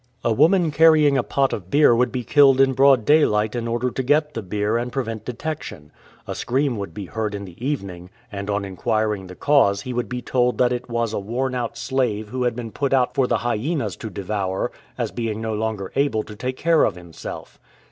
" A woman carrying a pot of beer would be killed in broad daylight in order to get the beer and prevent detection. A scream would be heard in the evening, and on inquiring the cause he would be told that it was a worn out slave 139 A RAID AND A RESCUE who had been put out for the hyenas to devour, as being no lono er able to take care of himself.